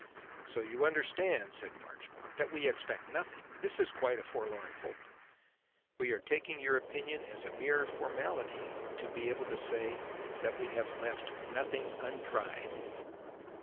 "So you understand," said Marchmont, "that we expect nothing. This is quite a forlorn hope. We are taking your opinion as a mere formality, to be able to say that we have left nothing untried."